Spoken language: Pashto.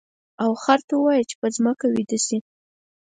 او خر ته ووایه چې په ځمکه ویده شي.